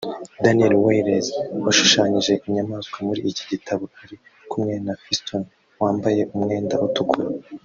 Daniel Wiels washushanyije inyamaswa muri iki gitabo ari kumwe na Fiston(wambaye umwenda utukura)